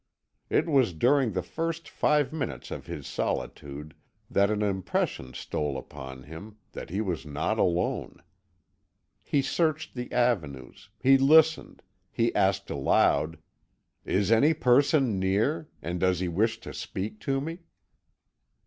It was during the first five minutes of his solitude that an impression stole upon him that he was not alone. He searched the avenues, he listened, he asked aloud: "Is any person near, and does he wish to speak to me?"